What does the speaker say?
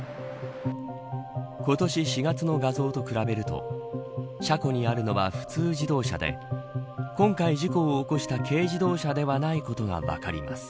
今年４月の画像と比べると車庫にあるのは普通自動車で今回事故を起こした軽自動車ではないことが分かります。